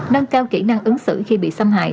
nâng cao kỹ năng ứng xử khi bị xâm hại